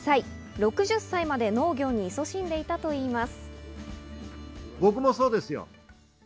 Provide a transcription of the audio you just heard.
６０歳まで農業にいそしんでいたといいます。